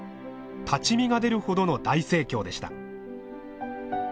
立ち見が出るほどの大盛況でした。